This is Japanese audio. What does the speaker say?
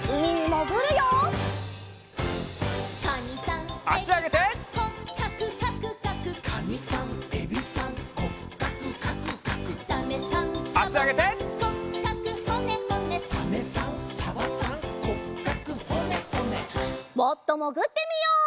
もっともぐってみよう！